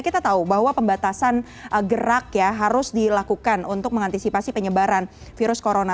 kita tahu bahwa pembatasan gerak ya harus dilakukan untuk mengantisipasi penyebaran virus corona